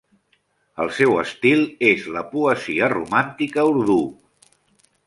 El seu estil és la poesia romàntica urdú.